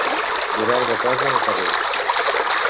Durar de casa al carrer.